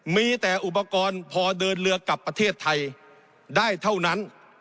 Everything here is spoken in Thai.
มีแต่อุปกรณ์พอเดินเรือกลับประเทศไทยได้เท่านั้น